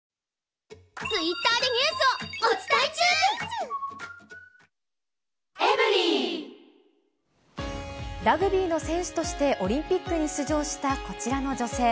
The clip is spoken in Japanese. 東京海上日動ラグビーの選手として、オリンピックに出場したこちらの女性。